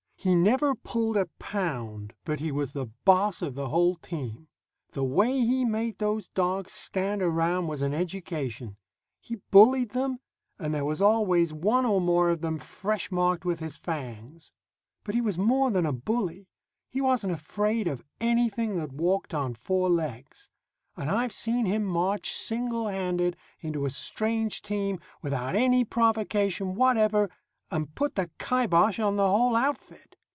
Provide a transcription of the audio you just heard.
He never pulled a pound, but he was the boss of the whole team. The way he made those dogs stand around was an education. He bullied them, and there was always one or more of them fresh marked with his fangs. But he was more than a bully. He wasn't afraid of anything that walked on four legs; and I've seen him march, single handed, into a strange team, without any provocation whatever, and put the kibosh on the whole outfit.